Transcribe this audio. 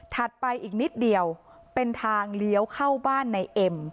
ไปอีกนิดเดียวเป็นทางเลี้ยวเข้าบ้านในเอ็ม